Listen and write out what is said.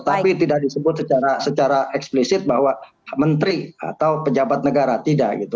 tapi tidak disebut secara eksplisit bahwa menteri atau pejabat negara tidak gitu